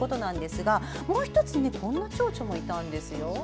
もう１つこんなチョウチョがいたんです。